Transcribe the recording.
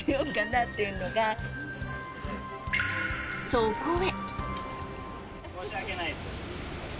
そこへ。